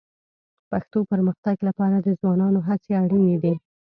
پښتو پرمختګ لپاره د ځوانانو هڅې اړیني دي